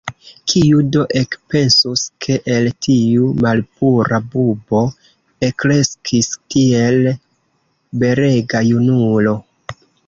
Kiu do ekpensus, ke el tiu malpura bubo elkreskis tiel belega junulo!